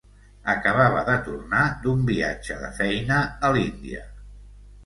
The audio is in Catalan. Acabava de tornar d'un viatge de feina a l'Índia.